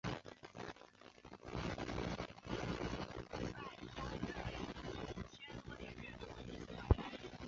这家店的后面则是冲浪的博物馆和冲浪学校。